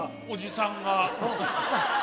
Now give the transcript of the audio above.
おじさんが。